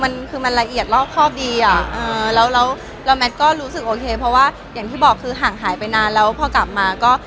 อ่าแล้วแล้วแล้วแมทก็รู้สึกโอเคเพราะว่าอย่างที่บอกคือห่างหายไปนานแล้วพอกลับมาก็